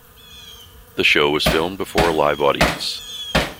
The show was filmed before a live audience.